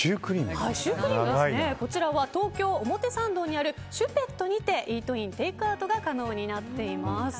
こちらは東京・表参道にあるシュペットにてイートインテイクアウトが可能になっています。